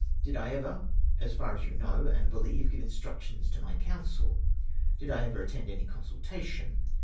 Did I ever, as far as you know and believe, give instructions to my counsel ? Did I ever attend any consultation